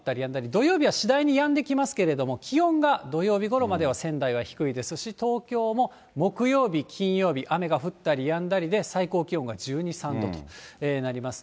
土曜日は次第にやんできますけど、気温が土曜日ごろまでは仙台は低いですし、東京も木曜日、金曜日、雨が降ったりやんだりで、最高気温が１２、３度となります。